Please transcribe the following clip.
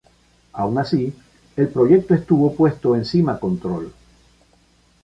Aun así, el proyecto estuvo puesto encima control.